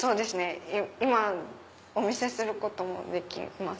今お見せすることもできます。